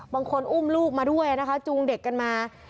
บางคนอุ้มลูกมาด้วยนะคะจูงเด็กกันมา